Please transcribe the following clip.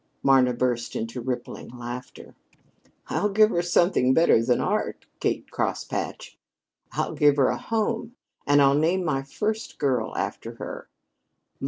Marna burst into rippling laughter. "I'll give her something better than art, Kate Crosspatch. I'll give her a home and I'll name my first girl after her."